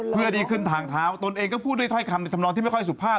เพื่อดีขึ้นทางเท้าตนเองก็พูดด้วยถ้อยคำในธรรมนองที่ไม่ค่อยสุภาพ